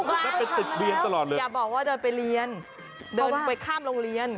โอ้ค่ะผมถามมาแล้วอย่าบอกว่าเดินไปเรียนเดินไปข้ามโรงเรียน